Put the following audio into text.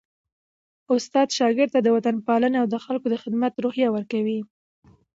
استاد شاګرد ته د وطنپالني او د خلکو د خدمت روحیه ورکوي.